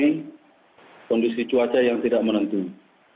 faktor selamatan penolong faktor selamatan penolong